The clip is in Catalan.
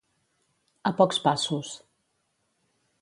A pocs passos.